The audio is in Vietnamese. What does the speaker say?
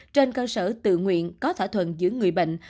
trên cơ sở tự nguyện có thỏa thuận giữa người bệnh